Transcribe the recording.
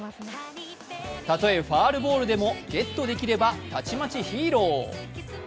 たとえファウルボールでもゲットできればたちまちヒーロー。